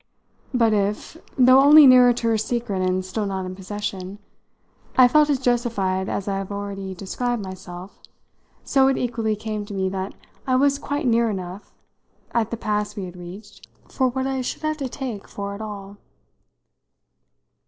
But if, though only nearer to her secret and still not in possession, I felt as justified as I have already described myself, so it equally came to me that I was quite near enough, at the pass we had reached, for what I should have to take from it all.